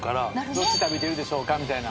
どっち食べてるでしょうかみたいな。